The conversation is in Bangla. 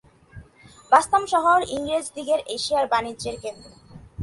বান্তাম শহর ইংরেজদিগের এশিয়ার বাণিজ্যের কেন্দ্র।